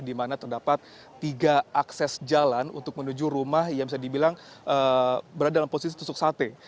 di mana terdapat tiga akses jalan untuk menuju rumah yang bisa dibilang berada dalam posisi tusuk sate